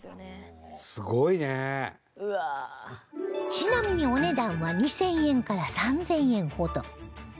ちなみにお値段は２０００円から３０００円ほど